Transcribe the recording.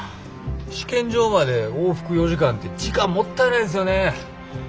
試験場まで往復４時間って時間もったいないんですよね。